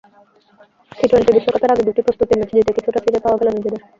T twenty বিশ্বকাপের আগে দুটি প্রস্তুতি ম্যাচ জিতে কিছুটা ফিরে পাওয়া গেল নিজেদের।